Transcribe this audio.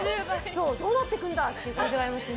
どうなっていくんだって感じがありますね。